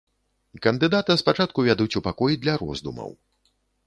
Кандыдата спачатку вядуць у пакой для роздумаў.